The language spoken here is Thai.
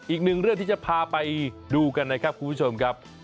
อีกหนึ่งเรื่องที่จะพาไปดูกันนะครับคุณผู้ชมครับ